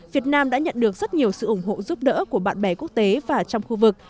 việt nam đã nhận được rất nhiều sự ủng hộ giúp đỡ của bạn bè quốc tế và trong khu vực